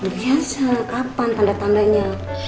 biasa kapan tanda tandanya